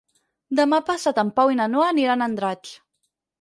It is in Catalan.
Demà passat en Pau i na Noa aniran a Andratx.